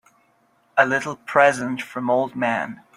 A little present from old man.